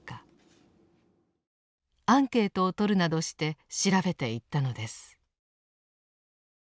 アンケートをとるなどして調べていったのです。